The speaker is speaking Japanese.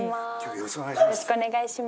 よろしくお願いします。